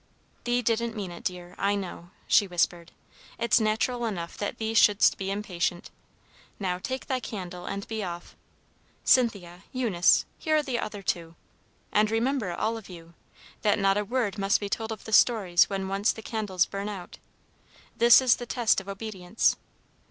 "Thee didn't mean it, dear, I know," she whispered. "It's natural enough that thee shouldst be impatient. Now take thy candle, and be off. Cynthia, Eunice, here are the other two, and remember, all of you, that not a word must be told of the stories when once the candles burn out. This is the test of obedience.